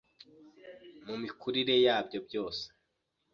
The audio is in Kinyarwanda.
mu mikurire yabyo byose